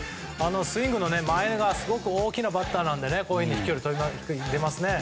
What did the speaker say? スイングの間合いがすごく大きなバッターなので飛距離が出ますね。